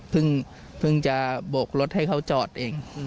เพิ่งจะโบกรถให้เขาจอดเอง